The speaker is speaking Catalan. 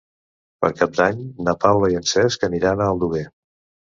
Per Cap d'Any na Paula i en Cesc aniran a Aldover.